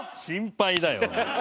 心配だよ。